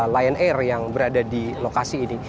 lion air yang berada di lokasi ini